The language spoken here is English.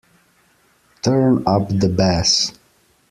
Turn up the bass.